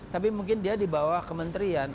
tapi mungkin dia di bawah kementerian